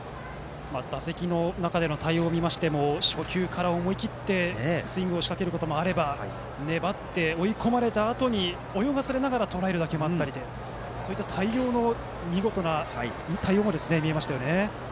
打席の中での対応を見ても初球から思い切ってスイングを仕掛けることもあれば粘って追い込まれたあとに泳がされながらとらえる打球もあったりと見事な対応も見えましたよね。